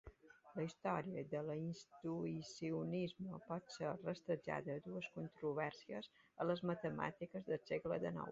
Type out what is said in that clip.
La història de l'Intuïcionisme pot ser rastrejada a dues controvèrsies a les matemàtiques de segle XIX.